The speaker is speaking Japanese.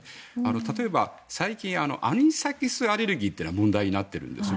例えば、最近アニサキスアレルギーというのが問題になってるんですよね。